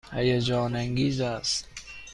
هیجان انگیز است.